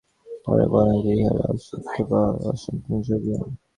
তাঁহারা বলেন যে, ইঁহারা অসিদ্ধ বা অসম্পূর্ণ যোগী।